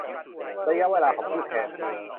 ระยะเวลาของผู้แทน